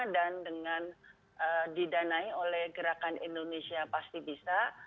dan dengan didanai oleh gerakan indonesia pasti bisa